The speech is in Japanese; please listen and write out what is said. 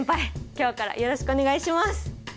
今日からよろしくお願いします！